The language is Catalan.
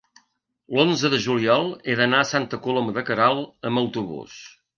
l'onze de juliol he d'anar a Santa Coloma de Queralt amb autobús.